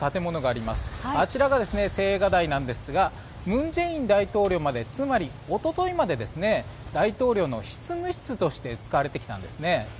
あちらが青瓦台なんですが文在寅大統領までつまり、おとといまで大統領の執務室として使われてきたんですね。